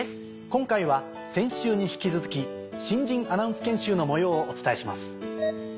今回は先週に引き続き新人アナウンス研修の模様をお伝えします。